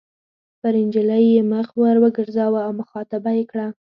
پر نجلۍ یې مخ ور وګرځاوه او مخاطبه یې کړه.